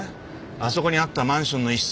あそこにあったマンションの一室で。